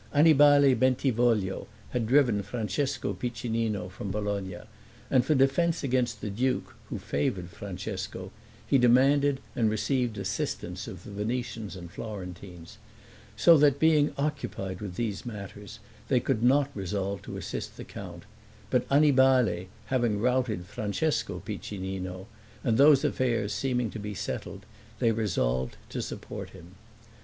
Annibale Bentivoglio had driven Francesco Piccinino from Bologna, and for defense against the duke, who favored Francesco, he demanded and received assistance of the Venetians and Florentines; so that, being occupied with these matters they could not resolve to assist the count, but Annibale, having routed Francesco Piccinino, and those affairs seeming to be settled, they resolved to support him.